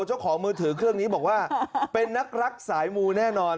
เจ้าของมือถือเครื่องนี้บอกว่าเป็นนักรักสายมูแน่นอน